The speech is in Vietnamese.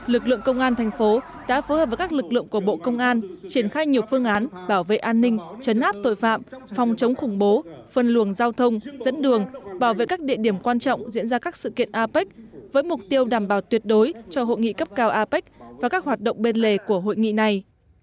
lực lượng công an thành phố đã phối hợp với các lực lượng của bộ công an triển khai nhiều phương án bảo vệ an ninh chấn áp tội phạm phòng chống khủng bố phân luồng giao thông dẫn đường bảo vệ các địa điểm quan trọng diễn ra các sự kiện apec với mục tiêu đảm bảo tuyệt đối cho hội nghị cấp cao apec và các hoạt động bên lề của hội nghị này